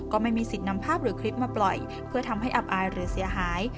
ก็ไม่มีสิทธิ์นำภาพหรือคลิปมาปล่อยเพื่อทำให้อับอายหรือเสียหาย